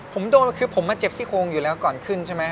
ผมโดนคือผมมาเจ็บซี่โครงอยู่แล้วก่อนขึ้นใช่ไหม